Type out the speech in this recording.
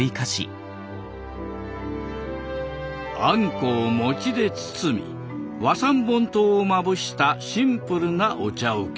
あんこを餅で包み和三盆糖をまぶしたシンプルなお茶うけ。